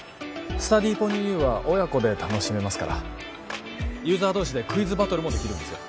スタディーポニーＵは親子で楽しめますからユーザー同士でクイズバトルもできるんですよ